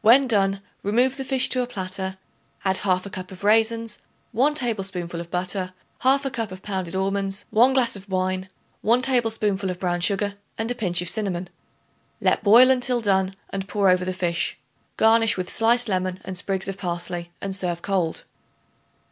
When done, remove the fish to a platter; add 1/2 cup of raisins, 1 tablespoonful of butter, 1/2 cup of pounded almonds, 1 glass of wine, 1 tablespoonful of brown sugar and a pinch of cinnamon. Let boil until done and pour over the fish. Garnish with sliced lemon and sprigs of parsley and serve cold.